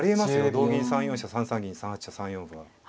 同銀３四飛車３三銀３八飛車３四歩は。